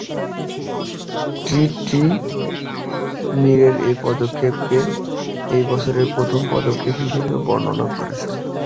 Trinity Mirror এই পদক্ষেপকে এই ধরনের প্রথম পদক্ষেপ হিসেবে বর্ণনা করেছে।